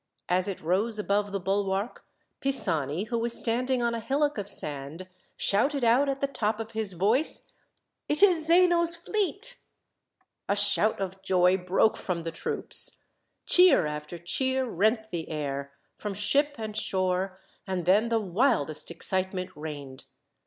As it rose above the bulwark, Pisani, who was standing on a hillock of sand, shouted out at the top of his voice: "It is Zeno's fleet!" A shout of joy broke from the troops. Cheer after cheer rent the air, from ship and shore, and then the wildest excitement reigned.